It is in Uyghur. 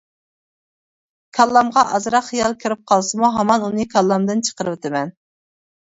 كاللامغا ئازراق خىيال كىرىپ قالسىمۇ، ھامان ئۇنى كاللامدىن چىقىرىۋېتىمەن.